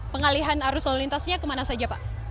pengalihan arus lalu lintasnya kemana saja pak